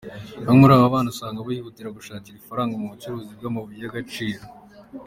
Bamwe muri aba bana usanga bihutira gushakira ifaranga mu bucukuzi bw’amabuye y’agaciro.